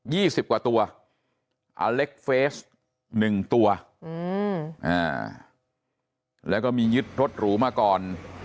ยี่สิบกว่าตัวหนึ่งตัวอืมอ่าแล้วก็มียึดทดหรูมาก่อน